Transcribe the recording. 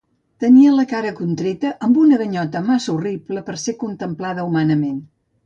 Tenia la cara contreta amb una ganyota massa horrible per ser contemplada humanament.